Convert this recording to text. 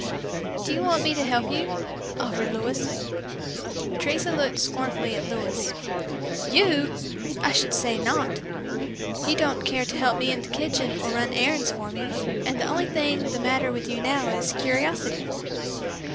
"Do you want me to help you?" offered Louis. Teresa looked scornfully at Louis "You! I should say not! You don't care to help me in the kitchen or run errands for me, and the only thing the matter with you now is curiosity!"